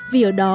vì ở đó